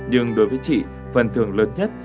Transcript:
nhưng đối với chị phần thường lớn nhất